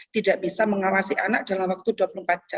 tidak bisa mengawasi anak dalam waktu dua puluh empat jam